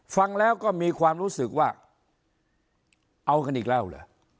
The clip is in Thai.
ฟังแล้วก็มีความรู้สึกว่าเอากันอีกแล้วเหรอ